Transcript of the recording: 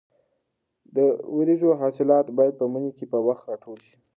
د وریژو حاصلات باید په مني کې په وخت راټول شي.